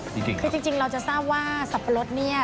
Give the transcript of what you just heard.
จริงครับคือจริงเราจะทราบว่าสับปะรดนี่